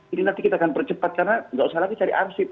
ini nanti kita akan percepat karena tidak usah lagi cari r seed